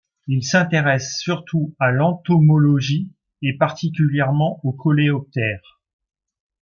Il s’intéresse surtout à l’entomologie et particulièrement aux coléoptères.